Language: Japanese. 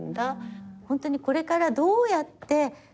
ホントにこれからどうやって。